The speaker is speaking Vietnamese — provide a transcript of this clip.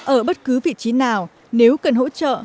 ở bất cứ vị trí nào nếu cần hỗ trợ